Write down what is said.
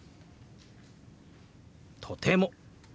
「とても」。